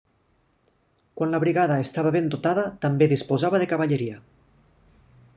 Quan la brigada estava ben dotada també disposava de cavalleria.